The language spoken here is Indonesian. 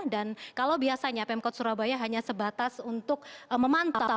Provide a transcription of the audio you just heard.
dan kalau biasanya pemkot surabaya hanya sebatas untuk memantau